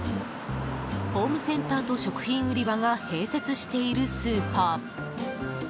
ホームセンターと食品売り場が併設しているスーパー。